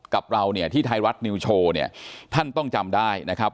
กับเราเนี่ยที่ไทยรัฐนิวโชว์เนี่ยท่านต้องจำได้นะครับ